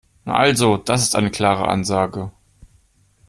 Na also, das ist eine klare Ansage.